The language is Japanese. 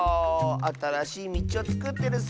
あたらしいみちをつくってるッス。